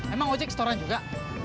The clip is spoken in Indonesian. emang ojek setoran juga